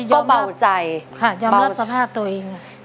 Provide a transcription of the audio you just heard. ยำรับสภาพตัวเอง